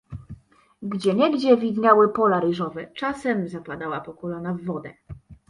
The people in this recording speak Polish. Gdzieniegdzie widniały pola ryżowe, czasem zapadała po kolana w wodę.